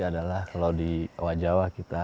adalah kalau di owa jawa kita